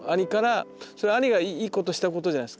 それは兄がいいことしたことじゃないですか。